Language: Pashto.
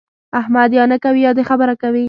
احمد یا نه کوي يا د خبره کوي.